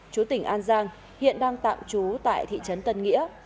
chú tỉnh an giang hiện đang tạm trú tại thị trấn tân nghĩa